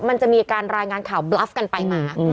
มันจะมีการรายงานข่าวบรับกันไปมา